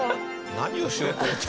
何をしようと思って。